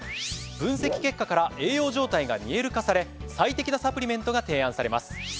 分析結果から栄養状態が見える化され最適なサプリメントが提案されます。